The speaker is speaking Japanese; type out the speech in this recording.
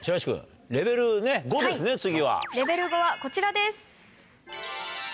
レベル５はこちらです。